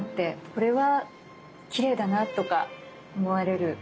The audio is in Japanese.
これはキレイだなとか思われる。